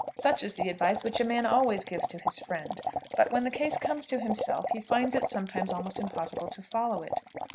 Such is the advice which a man always gives to his friend. But when the case comes to himself he finds it sometimes almost impossible to follow it.